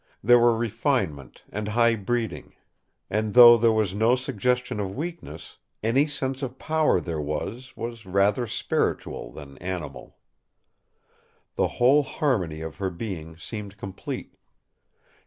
There were refinement and high breeding; and though there was no suggestion of weakness, any sense of power there was, was rather spiritual than animal. The whole harmony of her being seemed complete.